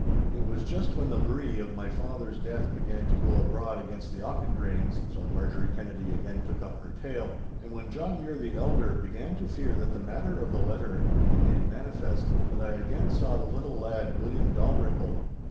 'It was just when the bruit of my father's death began to go abroad against the Auchendraynes,' so Marjorie Kennedy again took up her tale, 'and when John Mure the elder began to fear that the matter of the letter would be made manifest, that I again saw the little lad William Dalrymple.